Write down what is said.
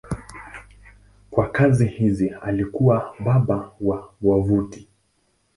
Kwa kazi hizi alikuwa baba wa wavuti.